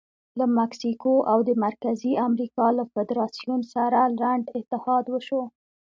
له مکسیکو او د مرکزي امریکا له فدراسیون سره لنډ اتحاد وشو.